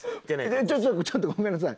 ちょっとちょっとごめんなさい。